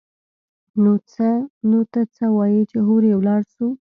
نو ته څه وايي چې هورې ولاړ سو.